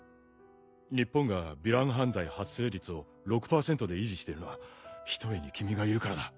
日本がヴィラン犯罪発生率を６％で維持しているのはひとえに君がいるからだ。